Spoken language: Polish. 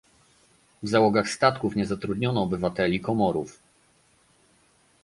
W załogach statków nie zatrudniano obywateli Komorów